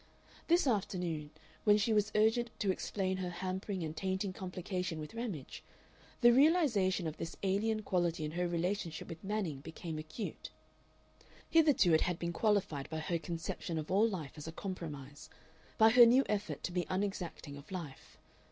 This afternoon, when she was urgent to explain her hampering and tainting complication with Ramage, the realization of this alien quality in her relationship with Manning became acute. Hitherto it had been qualified by her conception of all life as a compromise, by her new effort to be unexacting of life.